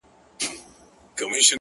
چي د ارواوو په نظر کي بند سي؛